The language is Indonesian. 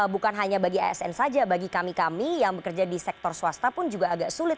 bukan hanya bagi asn saja bagi kami kami yang bekerja di sektor swasta pun juga agak sulit